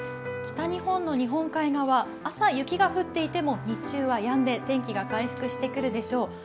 北日本の日本海側、朝、雪が降っていても日中はやんで天気が回復してくるでしょう。